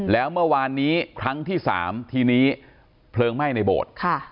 แล้วเมื่อวานนี้ครั้งที่๓ทีนี้เพลิงไหม้ในโบสถ์